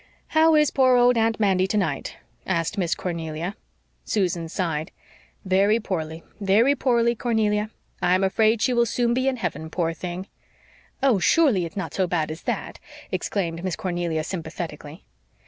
"How is poor old Aunt Mandy tonight?" asked Miss Cornelia. Susan sighed. "Very poorly very poorly, Cornelia. I am afraid she will soon be in heaven, poor thing!" "Oh, surely, it's not so bad as that!" exclaimed Miss Cornelia, sympathetically.